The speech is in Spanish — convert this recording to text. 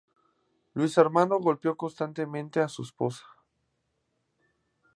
Luis Armando golpeó constantemente a su esposa.